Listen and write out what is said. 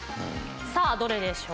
さあどれでしょう？